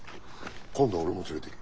今度は俺も連れてけ。